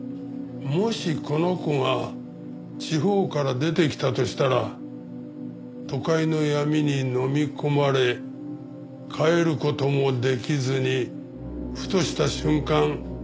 もしこの子が地方から出てきたとしたら都会の闇にのみ込まれ帰る事もできずにふとした瞬間